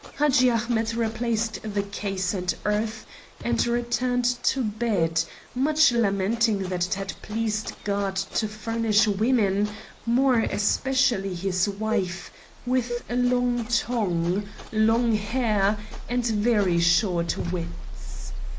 Hadji Ahmet replaced the case and earth and returned to bed, much lamenting that it had pleased God to furnish women, more especially his wife, with a long tongue, long hair, and very short wits.